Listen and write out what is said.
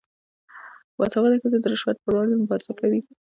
باسواده ښځې د رشوت پر وړاندې مبارزه کوي.